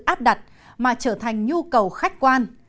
không phải là sự áp đặt mà trở thành nhu cầu khách quan